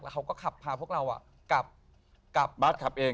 แล้วเขาก็ขับพาพวกเรากลับ